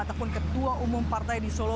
ataupun ketua umum partai di solo